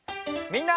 みんな！